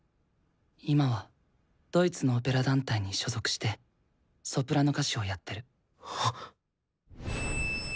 今はドイツのオペラ団体に所属してソプラノ歌手をやってる。